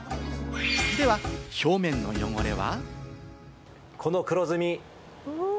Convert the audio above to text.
では表面の汚れは。